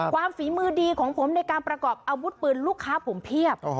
ฝีมือดีของผมในการประกอบอาวุธปืนลูกค้าผมเพียบ